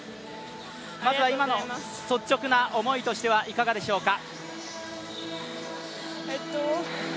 まずは今の率直な思いとしてはいかがでしょうか？